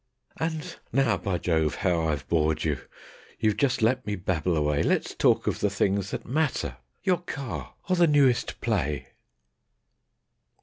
And now, by Jove! how I've bored you. You've just let me babble away; Let's talk of the things that MATTER your car or the newest play.